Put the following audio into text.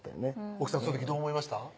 奥さんその時どう思いました？